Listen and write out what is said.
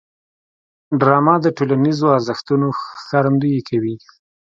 ډرامه د ټولنیزو ارزښتونو ښکارندويي کوي